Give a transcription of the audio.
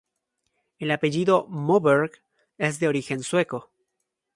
El apellido "Moberg" es de origen sueco.